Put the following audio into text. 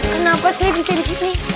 kenapa saya bisa disini